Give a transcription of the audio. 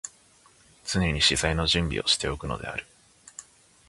常に詩材の準備をして置くのである。